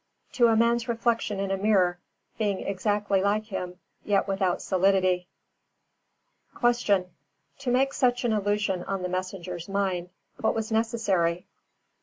To a man's reflection in a mirror, being exactly like him yet without solidity. 356. Q. _To make such an illusion on the messenger's mind, what was necessary?